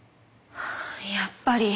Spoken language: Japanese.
やっぱり。